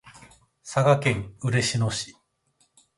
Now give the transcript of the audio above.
佐賀県嬉野市